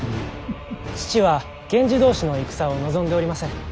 父は源氏同士の戦を望んでおりません。